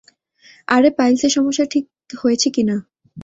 আরে পাইলসের সমস্যা ঠিক হয়েছে কিনা?